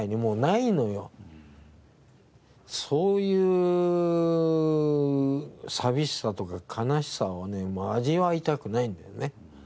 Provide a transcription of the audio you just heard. そういう寂しさとか悲しさをね味わいたくないんだよね。